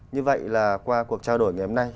như vậy là qua cuộc trao đổi ngày hôm nay